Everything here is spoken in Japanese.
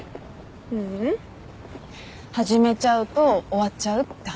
ううん。始めちゃうと終わっちゃうって話。